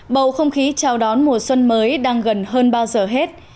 bầu không khí chào đón mùa xuân mới đang gần hơn bao giờ hết